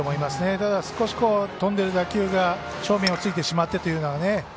ただ、少し飛んでる打球が正面をついてしまってというのが。